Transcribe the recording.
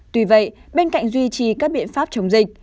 tuy vậy bên cạnh duy trì các biện pháp chống dịch